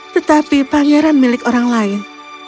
tetapi pangeran milik orang lain